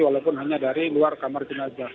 walaupun hanya dari luar kamar jenazah